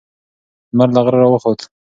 لمر له غره راوخوت.